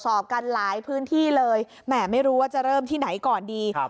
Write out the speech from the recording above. สอบกันหลายพื้นที่เลยแหมไม่รู้ว่าจะเริ่มที่ไหนก่อนดี